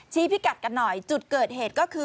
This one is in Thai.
พิกัดกันหน่อยจุดเกิดเหตุก็คือ